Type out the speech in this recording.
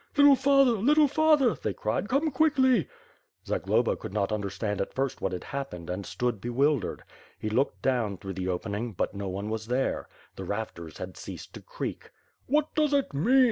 "Little father, little father!" they cried, "come quickly." Zagloba could not understand at first what had happened and stood bewildered. He looked down through the open ing, but no one was there. The rafters had ceased to creak. "What does it mean?